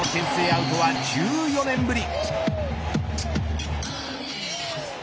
アウトは１４年ぶり。